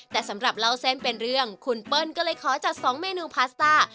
แต่สำหรับเล่าเส้นเป็นเรื่องคุณเปิ้ลก็เลยขอจัด๒เมนูพาสต้า